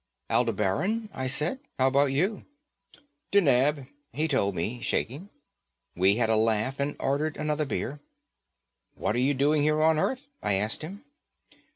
"Aldebaran," I said. "How about you?" "Deneb," he told me, shaking. We had a laugh and ordered another beer. "What're you doing here on Earth?" I asked him.